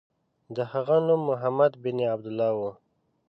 د هغه نوم محمد بن عبدالله و.